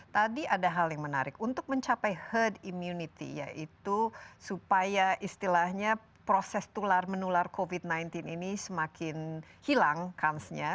tadi ada hal yang menarik untuk mencapai herd immunity yaitu supaya istilahnya proses tular menular covid sembilan belas ini semakin hilang kansnya